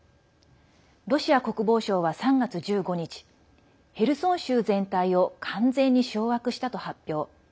ロシア国防省は３月１５日ヘルソン州全体を完全に掌握したと発表。